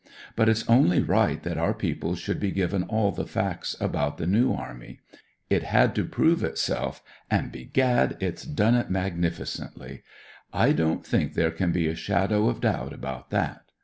But it's only right that our people should be given all the facts ut the New Army. It had to prove itself; and, begad, it's done it magnificently. I don't think there can be a shadow of doubt about that.